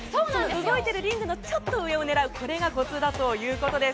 動いているリングのちょっと上を狙うのがコツだということです。